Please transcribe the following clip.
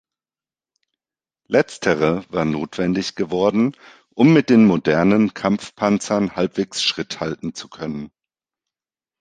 Letztere war notwendig geworden, um mit den modernen Kampfpanzern halbwegs Schritt halten zu können.